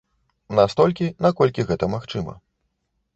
Настолькі, наколькі гэта магчыма.